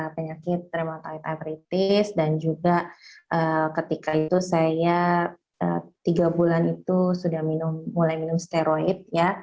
penyakit treumotoid averitis dan juga ketika itu saya tiga bulan itu sudah mulai minum steroid ya